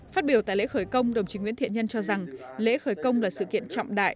phát biểu tại lễ khởi công đồng chí nguyễn thiện nhân cho rằng lễ khởi công là sự kiện trọng đại